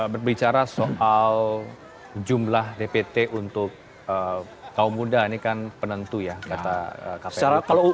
berbicara soal jumlah dpt untuk kaum muda ini kan penentu ya kata kpk